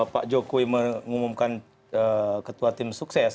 pak jokowi mengumumkan ketua tim sukses